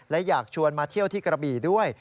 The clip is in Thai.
และอยากชวนมาเที่ยวที่กระบี่ด้วย